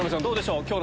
どうでしょう？